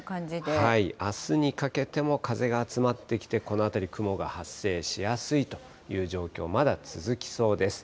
あすにかけても風が集まってきて、このあたり、雲が発生しやすいという状況、まだ続きそうです。